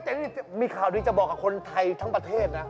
แต่นี่มีข่าวดีจะบอกกับคนไทยทั้งประเทศนะ